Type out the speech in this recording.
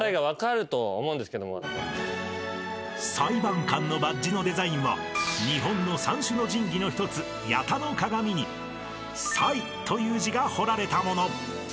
［裁判官のバッジのデザインは日本の三種の神器の一つ八咫鏡に「裁」という字が彫られたもの］